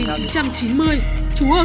chú ở thành phố hà nam